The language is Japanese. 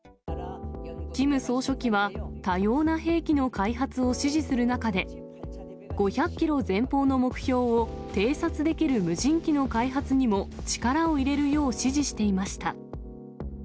キム総書記は、多様な兵器の開発を指示する中で、５００キロ前方の目標を偵察できる無人機の開発にも力を入れるよう指示していました。